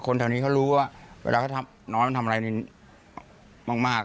แถวนี้เขารู้ว่าเวลาเขาทำน้อยมันทำอะไรมาก